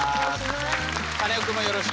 カネオくんもよろしく。